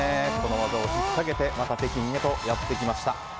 この技を引っ下げてまた北京へとやってきました。